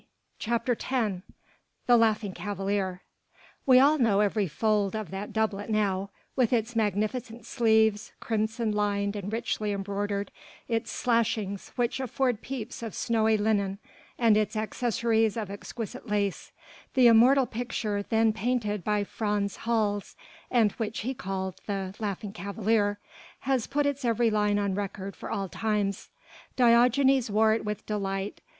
CHAPTER X THE LAUGHING CAVALIER We all know every fold of that doublet now, with its magnificent sleeves, crimson lined and richly embroidered, its slashings which afford peeps of snowy linen, and its accessories of exquisite lace; the immortal picture then painted by Frans Hals, and which he called the Laughing Cavalier, has put its every line on record for all times. Diogenes wore it with delight.